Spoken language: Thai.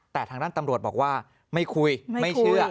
แต่ทางด้านตำรวจบอกว่าไม่คุยไม่เชื่อ